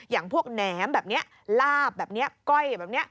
อย่างพวกแหนมแบบนี้ลาบแบบนี้ก้อยแบบนี้